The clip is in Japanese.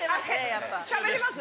しゃべれます？